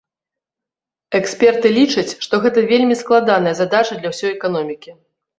Эксперты лічаць, што гэта вельмі складаная задача для ўсёй эканомікі.